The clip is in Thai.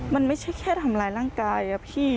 มันไม่ใช่แค่ทำร้ายร่างกายอะพี่